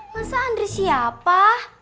masa andri siapa